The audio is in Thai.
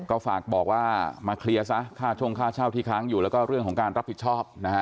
ก็ฝากบอกว่ามาเคลียร์ซะค่าช่วงค่าเช่าที่ค้างอยู่แล้วก็เรื่องของการรับผิดชอบนะฮะ